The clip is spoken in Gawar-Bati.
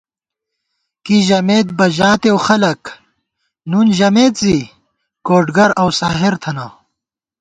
کی ژَمېت بہ ژاتېؤ خلَک، نُون ژَمېت زِی کوڈگر اؤ ساحر تھنہ